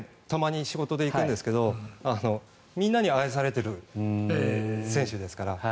たまに仕事で行くんですけどみんなに愛されてる選手ですから。